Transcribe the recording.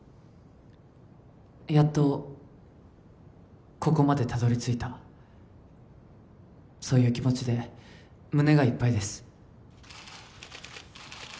やっとここまでたどりついたそういう気持ちで胸がいっぱいです